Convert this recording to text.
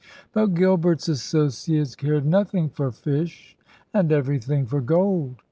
' But Gilbert's associates cared nothmg for fish and everything for gold.